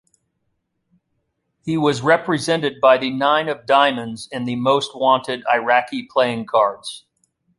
He was represented by the nine of diamonds in the Most-wanted Iraqi playing cards.